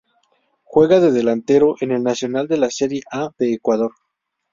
Juega de delantero en El Nacional de la Serie A de Ecuador.